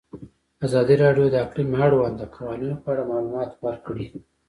ازادي راډیو د اقلیم د اړونده قوانینو په اړه معلومات ورکړي.